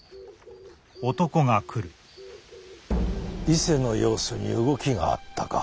伊勢の様子に動きがあったか。